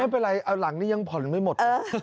ไม่เป็นไรหลังนี้ยังผลไม่หมด